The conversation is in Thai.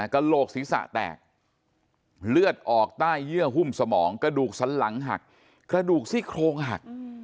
กระโหลกศีรษะแตกเลือดออกใต้เยื่อหุ้มสมองกระดูกสันหลังหักกระดูกซี่โครงหัก